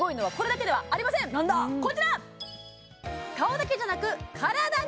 こちら！